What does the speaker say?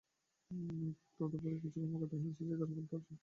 তদুপরি এমন কিছু কর্মকর্তাও হেনস্তার শিকার হন, যাঁরা সুধী সমাজে সমাদৃত নন।